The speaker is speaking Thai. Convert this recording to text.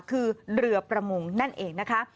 คือเรือประมงนั่นเองนะคะ